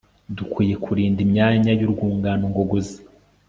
Dukwiriye kurinda imyanya yurwungano ngogozi